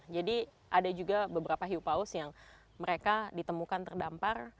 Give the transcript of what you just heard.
jadi ada juga beberapa hiu paus yang mereka ditemukan terdampar